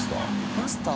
マスター？